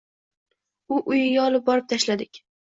U uyiga olib borib tashladik.